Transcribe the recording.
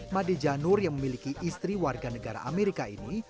madejanur yang memiliki istri warga negara amerika ini